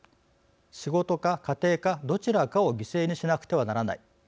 仕事か家庭か、どちらかを犠牲にしなくてはならない。